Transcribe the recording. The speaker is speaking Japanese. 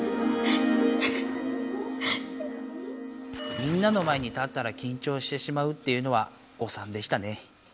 みんなの前に立ったら緊張してしまうっていうのは誤算でしたね。